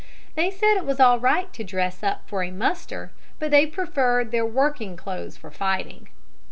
They said it was all right to dress up for a muster, but they preferred their working clothes for fighting.